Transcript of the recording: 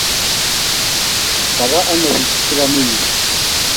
Kaba ano pik che kami yu?